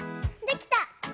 できた！